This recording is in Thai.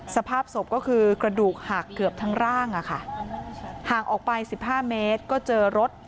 สภาพศพก็คือกระดูกหักเกือบทั้งร่างอะค่ะห่างออกไปสิบห้าเมตรก็เจอรถ